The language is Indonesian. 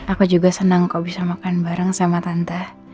aku juga senang kok bisa makan bareng sama tante